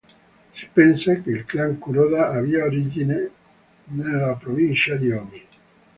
Si pensa che il clan Kuroda abbia origine nella provincia di Ōmi.